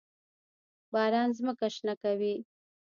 باران ځمکه شنه کوي.